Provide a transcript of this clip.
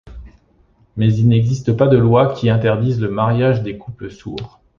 Mais il n'existe pas de loi qui interdise le mariage des couples sourds.